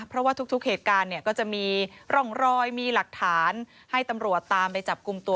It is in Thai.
เพราะว่าทุกเหตุการณ์เนี่ยก็จะมีร่องรอยมีหลักฐานให้ตำรวจตามไปจับกลุ่มตัว